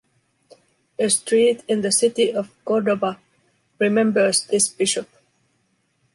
A street in the city of Córdoba remembers this bishop.